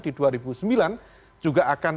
di dua ribu sembilan juga akan